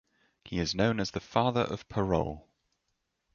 He is known as the "Father of Parole".